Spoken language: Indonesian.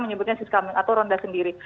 menyebutnya scambling atau ronda sendiri